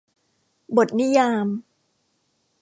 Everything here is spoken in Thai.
บทนิยาม